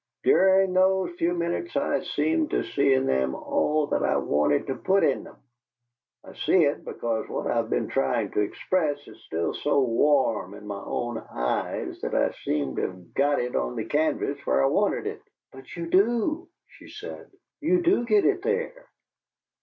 During those few minutes I seem to see in them all that I wanted to put in them; I see it because what I've been trying to express is still so warm in my own eyes that I seem to have got it on the canvas where I wanted it." "But you do," she said. "You do get it there."